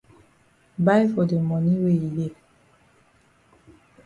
Buy for de moni wey e dey.